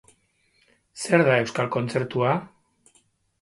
Zer da euskal kontzertua?